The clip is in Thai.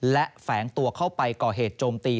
และแฝงตัวเข้าไปก่อเหตุโจมตี